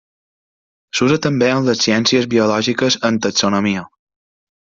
S'usa també en les ciències biològiques en taxonomia.